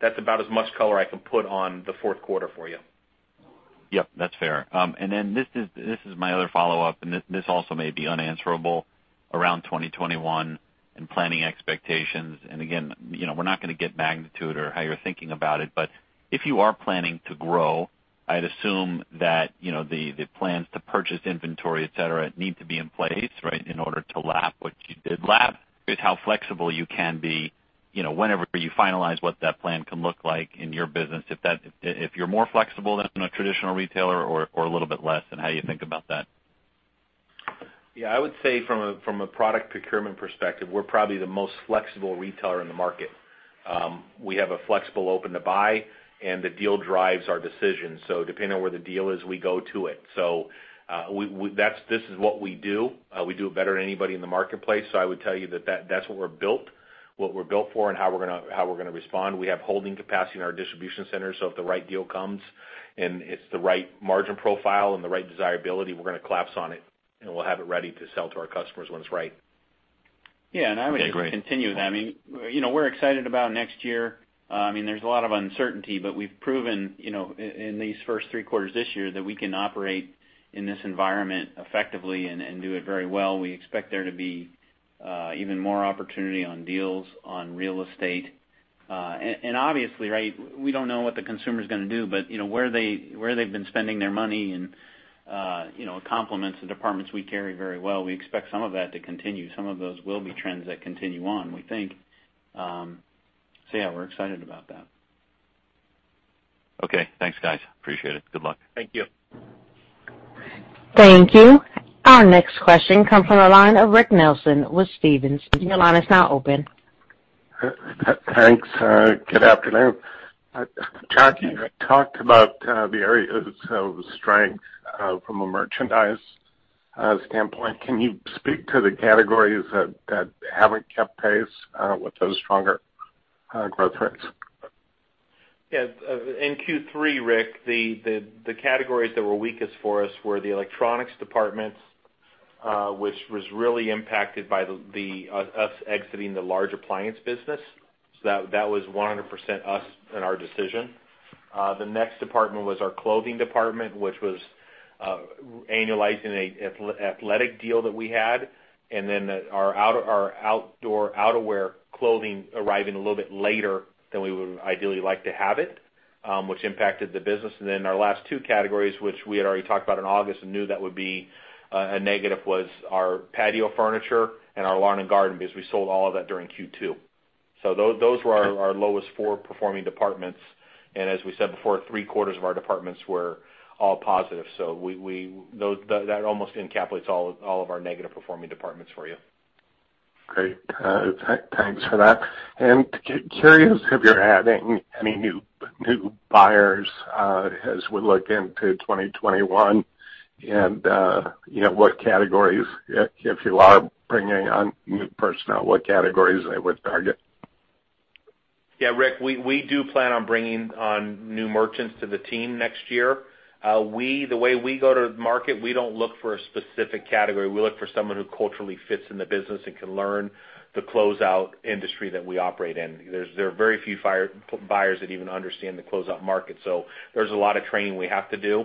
That's about as much color I can put on the fourth quarter for you. Yep. That's fair. And then this is my other follow-up, and this also may be unanswerable, around 2021 and planning expectations. And again, we're not going to get magnitude or how you're thinking about it. But if you are planning to grow, I'd assume that the plans to purchase inventory, etc., need to be in place, right, in order to lap what you did lap. Is how flexible you can be whenever you finalize what that plan can look like in your business if you're more flexible than a traditional retailer or a little bit less and how you think about that? Yeah. I would say from a product procurement perspective, we're probably the most flexible retailer in the market. We have a flexible open-to-buy and the deal drives our decision. So depending on where the deal is, we go to it. So this is what we do. We do it better than anybody in the marketplace. So I would tell you that that's what we're built, what we're built for, and how we're going to respond. We have holding capacity in our distribution centers. So if the right deal comes and it's the right margin profile and the right desirability, we're going to collapse on it and we'll have it ready to sell to our customers when it's right. Yeah. And I would just continue with that. I mean, we're excited about next year. I mean, there's a lot of uncertainty, but we've proven in these first three quarters this year that we can operate in this environment effectively and do it very well. We expect there to be even more opportunity on deals on real estate. And obviously, right, we don't know what the consumer's going to do, but where they've been spending their money and it complements the departments we carry very well. We expect some of that to continue. Some of those will be trends that continue on, we think. So yeah, we're excited about that. Okay. Thanks, guys. Appreciate it. Good luck. Thank you. Thank you. Our next question comes from the line of Rick Nelson with Stephens. Your line is now open. Thanks. Good afternoon. John, you talked about the areas of strength from a merchandise standpoint. Can you speak to the categories that haven't kept pace with those stronger growth rates? Yeah. In Q3, Rick, the categories that were weakest for us were the electronics departments, which was really impacted by us exiting the large appliance business. So that was 100% us and our decision. The next department was our clothing department, which was annualizing an athletic deal that we had and then our outdoor outerwear clothing arriving a little bit later than we would ideally like to have it, which impacted the business. And then our last two categories, which we had already talked about in August and knew that would be a negative, was our patio furniture and our lawn and garden because we sold all of that during Q2. So those were our lowest four performing departments. And as we said before, three-quarters of our departments were all positive. So that almost encapsulates all of our negative performing departments for you. Great. Thanks for that. And curious if you're adding any new buyers as we look into 2021 and what categories, if you are bringing on new personnel, what categories they would target? Yeah, Rick, we do plan on bringing on new merchants to the team next year. The way we go to the market, we don't look for a specific category. We look for someone who culturally fits in the business and can learn the closeout industry that we operate in. There are very few buyers that even understand the closeout market. So there's a lot of training we have to do.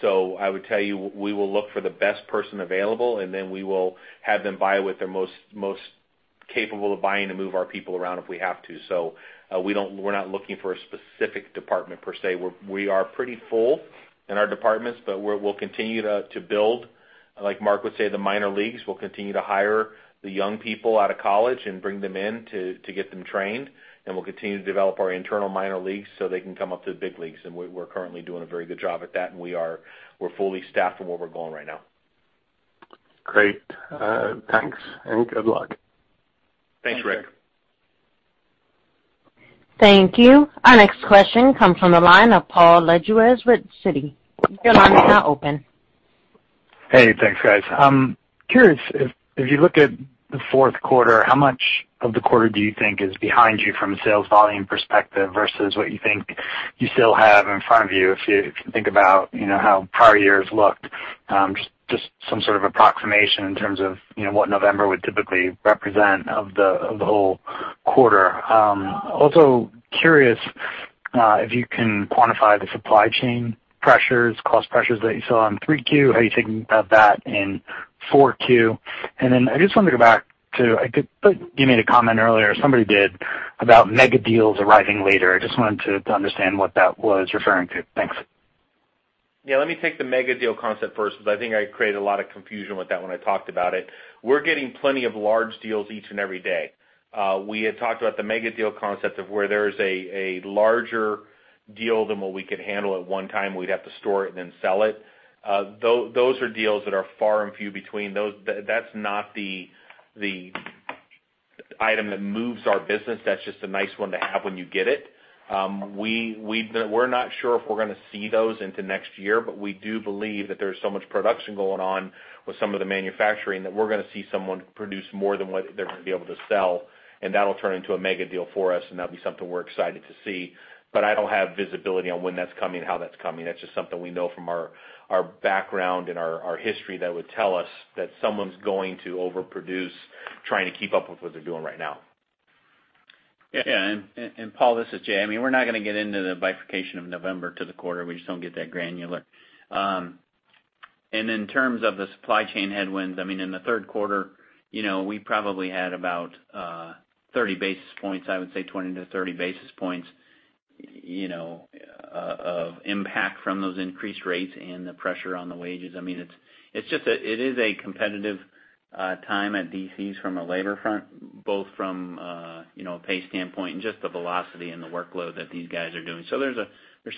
So I would tell you we will look for the best person available and then we will have them buy with their most capable of buying to move our people around if we have to. So we're not looking for a specific department per se. We are pretty full in our departments but we'll continue to build, like Mark would say, the minor leagues. We'll continue to hire the young people out of college and bring them in to get them trained. We'll continue to develop our internal minor leagues so they can come up to the big leagues. We're currently doing a very good job at that and we're fully staffed from where we're going right now. Great. Thanks and good luck. Thanks, Rick. Thank you. Our next question comes from the line of Paul Lejuez with Citi. Your line is now open. Hey. Thanks, guys. I'm curious, if you look at the fourth quarter, how much of the quarter do you think is behind you from a sales volume perspective versus what you think you still have in front of you? If you think about how prior years looked, just some sort of approximation in terms of what November would typically represent of the whole quarter. Also curious if you can quantify the supply chain pressures, cost pressures that you saw in 3Q, how you're thinking about that in 4Q? And then I just wanted to go back to I think you made a comment earlier, somebody did, about mega deals arriving later. I just wanted to understand what that was referring to. Thanks. Yeah. Let me take the mega deal concept first because I think I created a lot of confusion with that when I talked about it. We're getting plenty of large deals each and every day. We had talked about the mega deal concept of where there is a larger deal than what we could handle at one time. We'd have to store it and then sell it. Those are deals that are far and few between. That's not the item that moves our business. That's just a nice one to have when you get it. We're not sure if we're going to see those into next year but we do believe that there's so much production going on with some of the manufacturing that we're going to see someone produce more than what they're going to be able to sell. And that'll turn into a mega deal for us and that'll be something we're excited to see. But I don't have visibility on when that's coming and how that's coming. That's just something we know from our background and our history that would tell us that someone's going to overproduce trying to keep up with what they're doing right now. Yeah. And Paul, this is Jay. I mean, we're not going to get into the bifurcation of November to the quarter. We just don't get that granular. And in terms of the supply chain headwinds, I mean, in the third quarter, we probably had about 30 basis points, I would say 20-30 basis points of impact from those increased rates and the pressure on the wages. I mean, it is a competitive time at DCs from a labor front, both from a pay standpoint and just the velocity and the workload that these guys are doing. So there's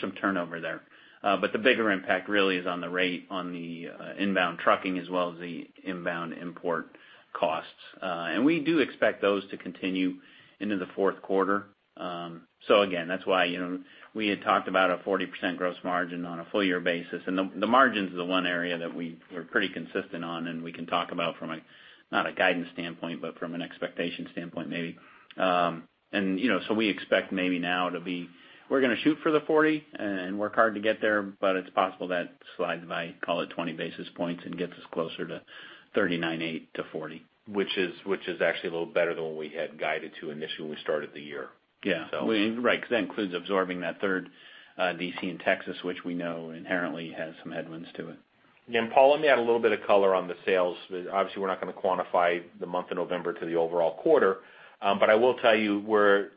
some turnover there. But the bigger impact really is on the rate on the inbound trucking as well as the inbound import costs. And we do expect those to continue into the fourth quarter. So again, that's why we had talked about a 40% gross margin on a full-year basis. And the margin's the one area that we're pretty consistent on and we can talk about from not a guidance standpoint but from an expectation standpoint maybe. And so we expect maybe now to be we're going to shoot for the 40 and work hard to get there but it's possible that slides by, call it, 20 basis points and gets us closer to 39.8-40. Which is actually a little better than what we had guided to initially when we started the year, so. Yeah. Right. Because that includes absorbing that third DC in Texas, which we know inherently has some headwinds to it. Yeah. And Paul, let me add a little bit of color on the sales. Obviously, we're not going to quantify the month of November to the overall quarter. But I will tell you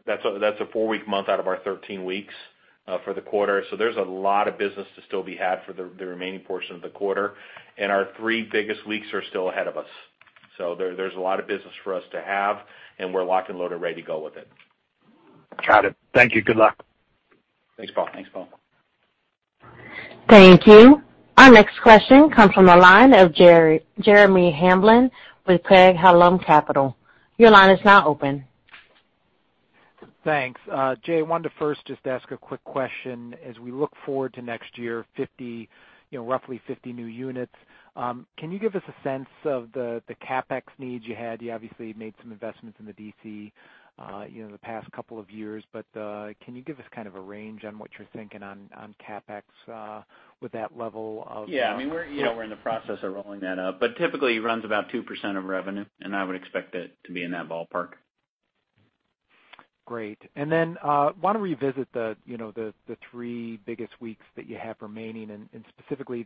that's a four-week month out of our 13 weeks for the quarter. So there's a lot of business to still be had for the remaining portion of the quarter. And our three biggest weeks are still ahead of us. So there's a lot of business for us to have and we're locked and loaded, ready to go with it. Got it. Thank you. Good luck. Thanks, Paul. Thanks, Paul. Thank you. Our next question comes from the line of Jeremy Hamblin with Craig-Hallum Capital Group. Your line is now open. Thanks. Jay, I wanted to first just ask a quick question. As we look forward to next year, roughly 50 new units, can you give us a sense of the CapEx needs you had? You obviously made some investments in the DC the past couple of years but can you give us kind of a range on what you're thinking on CapEx with that level of? Yeah. I mean, we're in the process of rolling that up. But typically, it runs about 2% of revenue and I would expect it to be in that ballpark. Great. I want to revisit the three biggest weeks that you have remaining and specifically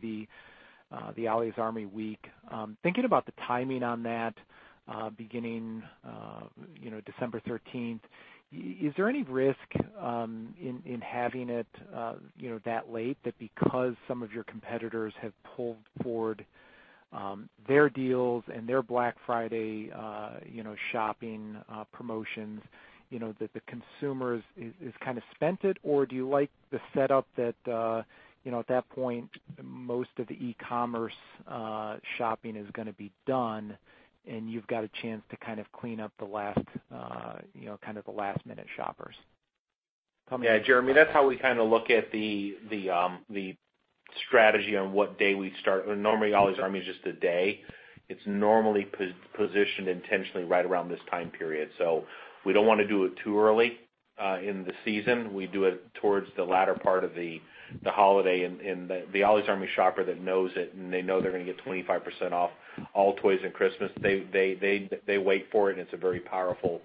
the Ollie's Army week. Thinking about the timing on that, beginning December 13th, is there any risk in having it that late that because some of your competitors have pulled forward their deals and their Black Friday shopping promotions, that the consumer is kind of spent it? Or do you like the setup that at that point, most of the e-commerce shopping is going to be done and you've got a chance to kind of clean up the last kind of the last-minute shoppers? Tell me. Yeah. Jeremy, that's how we kind of look at the strategy on what day we start. Normally, Ollie's Army is just a day. It's normally positioned intentionally right around this time period. So we don't want to do it too early in the season. We do it towards the latter part of the holiday. And the Ollie's Army shopper that knows it and they know they're going to get 25% off all toys at Christmas, they wait for it and it's a very powerful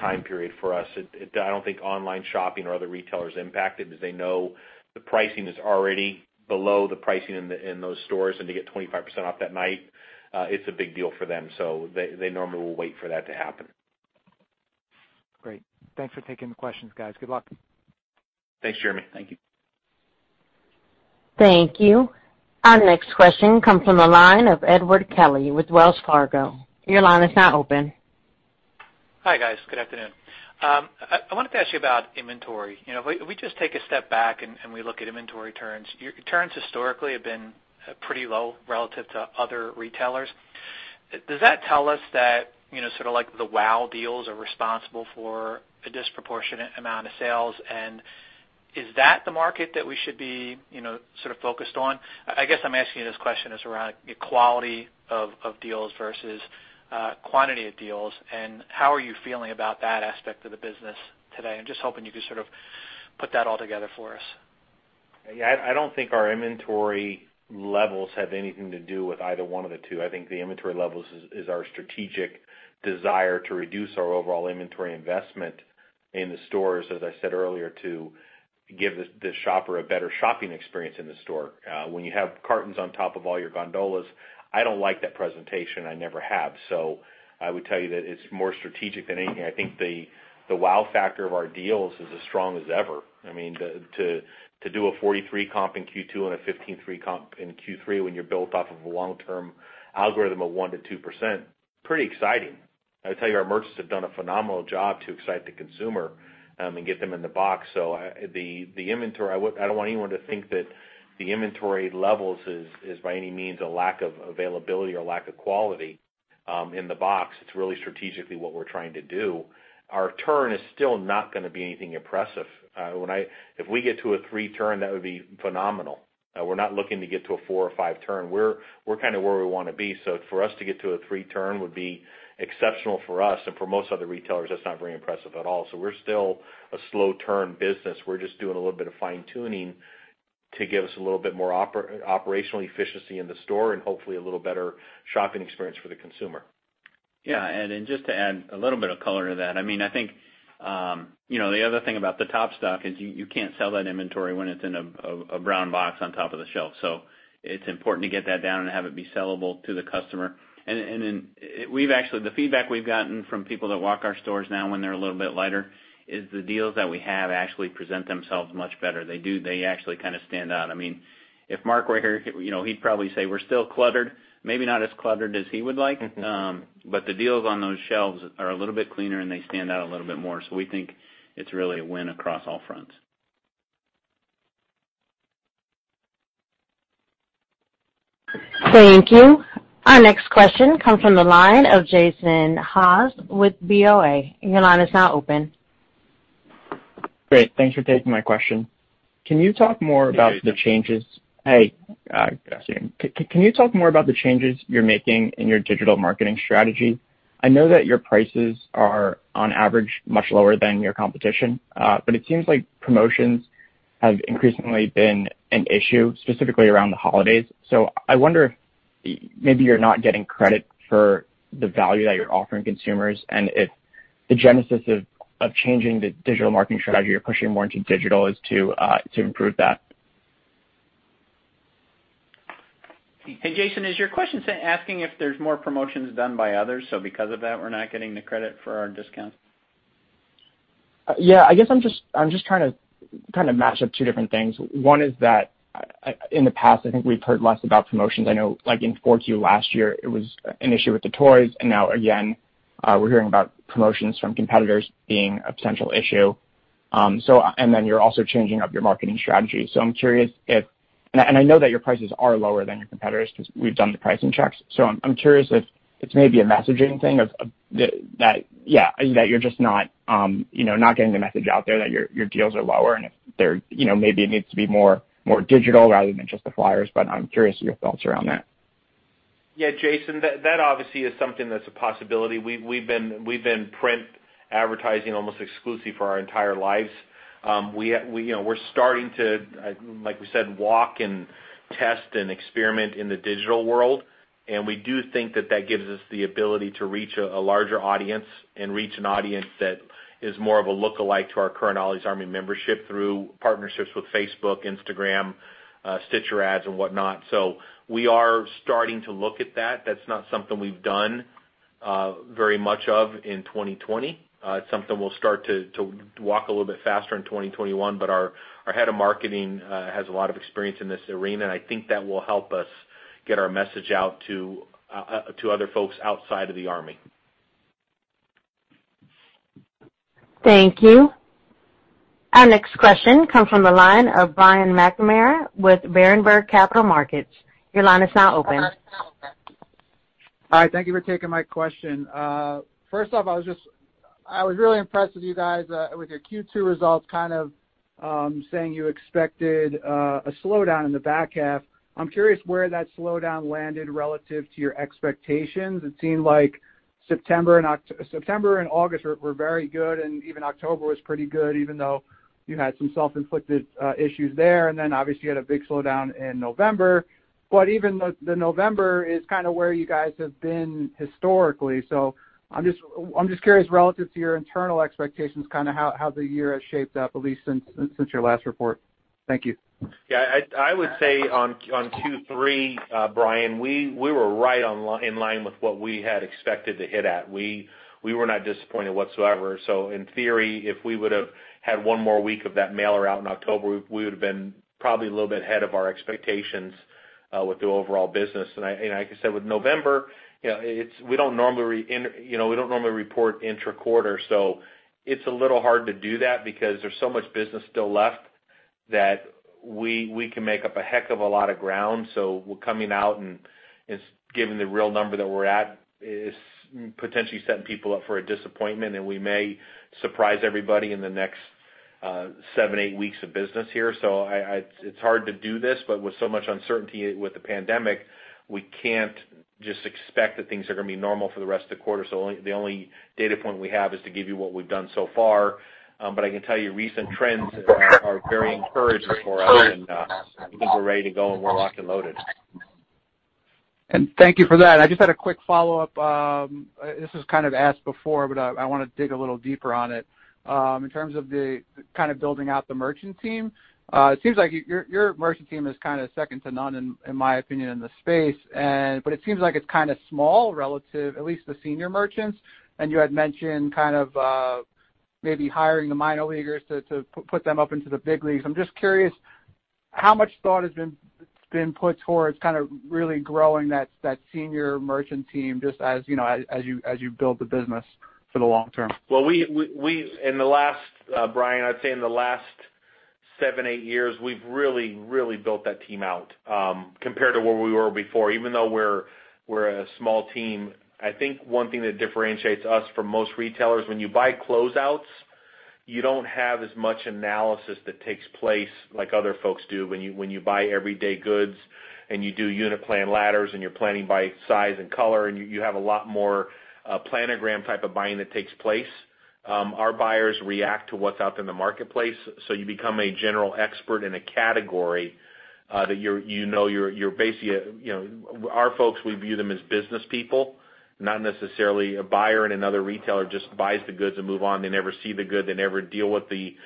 time period for us. I don't think online shopping or other retailers impact it because they know the pricing is already below the pricing in those stores. And to get 25% off that night, it's a big deal for them. So they normally will wait for that to happen. Great. Thanks for taking the questions, guys. Good luck. Thanks, Jeremy. Thank you. Thank you. Our next question comes from the line of Edward Kelly with Wells Fargo. Your line is now open. Hi, guys. Good afternoon. I wanted to ask you about inventory. If we just take a step back and we look at inventory turns, your turns historically have been pretty low relative to other retailers. Does that tell us that sort of the wow deals are responsible for a disproportionate amount of sales? And is that the market that we should be sort of focused on? I guess I'm asking you this question as around quality of deals versus quantity of deals. And how are you feeling about that aspect of the business today? I'm just hoping you could sort of put that all together for us. Yeah. I don't think our inventory levels have anything to do with either one of the two. I think the inventory levels is our strategic desire to reduce our overall inventory investment in the stores, as I said earlier, to give the shopper a better shopping experience in the store. When you have cartons on top of all your gondolas, I don't like that presentation. I never have. So I would tell you that it's more strategic than anything. I think the wow factor of our deals is as strong as ever. I mean, to do a 43 comp in Q2 and a 15.3 comp in Q3 when you're built off of a long-term algorithm of 1%-2%, pretty exciting. I would tell you our merchants have done a phenomenal job to excite the consumer and get them in the box. So the inventory, I don't want anyone to think that the inventory levels is by any means a lack of availability or lack of quality in the box. It's really strategically what we're trying to do. Our turn is still not going to be anything impressive. If we get to a three turn, that would be phenomenal. We're not looking to get to a four or five turn. We're kind of where we want to be. So for us to get to a three turn would be exceptional for us. And for most other retailers, that's not very impressive at all. So we're still a slow-turn business. We're just doing a little bit of fine-tuning to give us a little bit more operational efficiency in the store and hopefully a little better shopping experience for the consumer. Yeah. Just to add a little bit of color to that, I mean, I think the other thing about the top stock is you can't sell that inventory when it's in a brown box on top of the shelf. So it's important to get that down and have it be sellable to the customer. Then the feedback we've gotten from people that walk our stores now when they're a little bit lighter is the deals that we have actually present themselves much better. They actually kind of stand out. I mean, if Mark were here, he'd probably say we're still cluttered, maybe not as cluttered as he would like. But the deals on those shelves are a little bit cleaner and they stand out a little bit more. So we think it's really a win across all fronts. Thank you. Our next question comes from the line of Jason Haas with BofA. Your line is now open. Great. Thanks for taking my question. Can you talk more about the changes? Hey, I got you. Can you talk more about the changes you're making in your digital marketing strategy? I know that your prices are on average much lower than your competition, but it seems like promotions have increasingly been an issue, specifically around the holidays. So I wonder if maybe you're not getting credit for the value that you're offering consumers and if the genesis of changing the digital marketing strategy, you're pushing more into digital, is to improve that. Hey, Jason. Is your question asking if there's more promotions done by others? Because of that, we're not getting the credit for our discounts? Yeah. I guess I'm just trying to kind of match up two different things. One is that in the past, I think we've heard less about promotions. I know in 4Q last year, it was an issue with the toys. And now again, we're hearing about promotions from competitors being a potential issue. And then you're also changing up your marketing strategy. So I'm curious if, and I know that your prices are lower than your competitors because we've done the pricing checks. So I'm curious if it's maybe a messaging thing of that, yeah, that you're just not getting the message out there that your deals are lower and if maybe it needs to be more digital rather than just the flyers. But I'm curious your thoughts around that. Yeah. Jason, that obviously is something that's a possibility. We've been print advertising almost exclusively for our entire lives. We're starting to, like we said, walk and test and experiment in the digital world. And we do think that that gives us the ability to reach a larger audience and reach an audience that is more of a lookalike to our current Ollie's Army membership through partnerships with Facebook, Instagram, StitcherAds, and whatnot. So we are starting to look at that. That's not something we've done very much of in 2020. It's something we'll start to walk a little bit faster in 2021. But our head of marketing has a lot of experience in this arena. And I think that will help us get our message out to other folks outside of the Army. Thank you. Our next question comes from the line of Brian McNamara with Berenberg Capital Markets. Your line is now open. Hi. Thank you for taking my question. First off, I was really impressed with you guys with your Q2 results kind of saying you expected a slowdown in the back half. I'm curious where that slowdown landed relative to your expectations. It seemed like September and August were very good and even October was pretty good even though you had some self-inflicted issues there. And then obviously, you had a big slowdown in November. But even then, November is kind of where you guys have been historically. So I'm just curious relative to your internal expectations, kind of how the year has shaped up, at least since your last report. Thank you. Yeah. I would say on Q3, Brian, we were right in line with what we had expected to hit at. We were not disappointed whatsoever. So in theory, if we would have had one more week of that mailer out in October, we would have been probably a little bit ahead of our expectations with the overall business. And like I said, with November, we don't normally we don't normally report intra-quarter. So it's a little hard to do that because there's so much business still left that we can make up a heck of a lot of ground. So coming out and giving the real number that we're at is potentially setting people up for a disappointment. And we may surprise everybody in the next seven, eight weeks of business here. So it's hard to do this. But with so much uncertainty with the pandemic, we can't just expect that things are going to be normal for the rest of the quarter. So the only data point we have is to give you what we've done so far. But I can tell you recent trends are very encouraging for us. And I think we're ready to go and we're locked and loaded. And thank you for that. And I just had a quick follow-up. This was kind of asked before but I want to dig a little deeper on it. In terms of the kind of building out the merchant team, it seems like your merchant team is kind of second to none, in my opinion, in the space. But it seems like it's kind of small relative, at least the senior merchants. And you had mentioned kind of maybe hiring the minor leaguers to put them up into the big leagues. I'm just curious how much thought has been put towards kind of really growing that senior merchant team just as you build the business for the long term? Well, in the last, Brian, I'd say in the last 7-8 years, we've really, really built that team out compared to where we were before. Even though we're a small team, I think one thing that differentiates us from most retailers when you buy closeouts, you don't have as much analysis that takes place like other folks do. When you buy everyday goods and you do unit plan ladders and you're planning by size and color and you have a lot more planogram type of buying that takes place, our buyers react to what's out there in the marketplace. So you become a general expert in a category that, you know, you're basically our folks, we view them as business people, not necessarily a buyer in another retailer just buys the goods and move on. They never see the goods. They never deal with the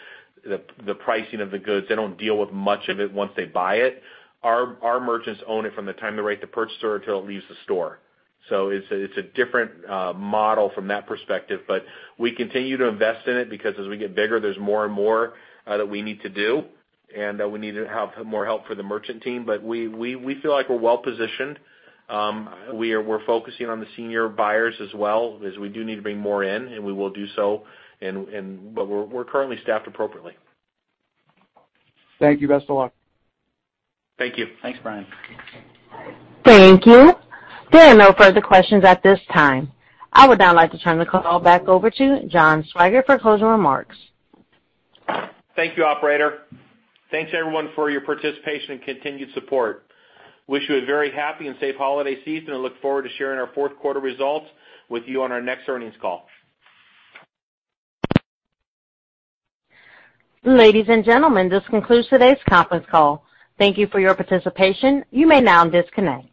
pricing of the goods. They don't deal with much of it once they buy it. Our merchants own it from the time they're ready to purchase it or until it leaves the store. So it's a different model from that perspective. But we continue to invest in it because as we get bigger, there's more and more that we need to do and that we need to have more help for the merchant team. But we feel like we're well-positioned. We're focusing on the senior buyers as well because we do need to bring more in. And we will do so. But we're currently staffed appropriately. Thank you. Best of luck. Thank you. Thanks, Brian. Thank you. There are no further questions at this time. I would now like to turn the call back over to John Swygert for closing remarks. Thank you, operator. Thanks, everyone, for your participation and continued support. Wish you a very happy and safe holiday season. Look forward to sharing our fourth-quarter results with you on our next earnings call. Ladies and gentlemen, this concludes today's conference call. Thank you for your participation. You may now disconnect.